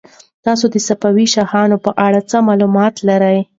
تاسو د صفوي شاهانو په اړه څه معلومات لرئ؟